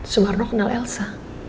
sumarno kenal elsa